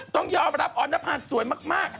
ต้องยอมรับออนภาสวยมาก